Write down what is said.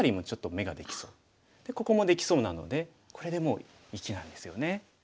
ここもできそうなのでこれでもう生きなんですよね。